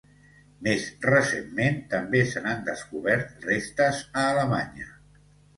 Més recentment, també se n'han descobert restes a Alemanya.